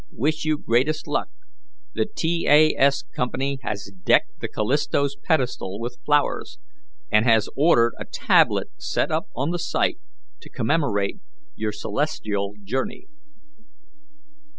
Wish you greatest luck. The T. A. S. Co. has decked the Callisto's pedestal with flowers, and has ordered a tablet set up on the site to commemorate your celestial journey."